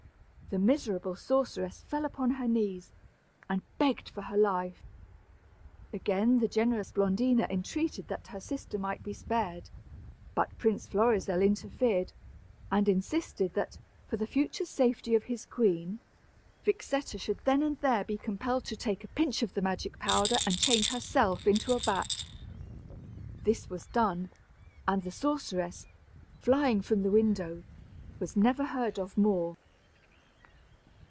The miserable sorceress fell upon her knees, and begged for her life. Again the generous Blondina entreated that her sister might be spared; but Prince Florizel interfered, and insisted that, for the future safety of his queen, Vixetta should then and there be compelled to take a pinch of the magic powder and change herself into a bat. This was done, and the sorceress, flying from the window, was never heard of more.